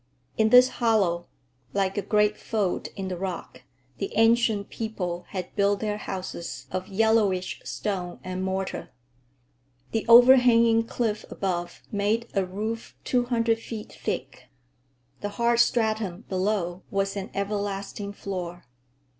In this hollow (like a great fold in the rock) the Ancient People had built their houses of yellowish stone and mortar. The over hanging cliff above made a roof two hundred feet thick. The hard stratum below was an everlasting floor.